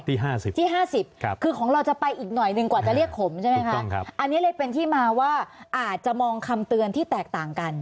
ที่๕๐คือของเราจะไปอีกหน่อยหนึ่งกว่าจะเรียกขมใช่ไหมคะอันนี้เลยเป็นที่มาว่าอาจจะมองคำเตือนที่แตกต่างกัน